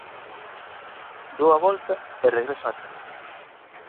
Dou a volta e regreso á casa.